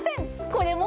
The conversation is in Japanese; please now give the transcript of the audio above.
これも。